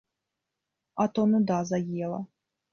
А то нуда заела.